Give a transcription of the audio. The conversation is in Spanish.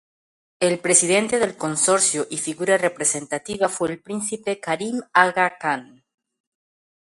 El presidente del consorcio y figura representativa fue el príncipe Karim Aga Khan.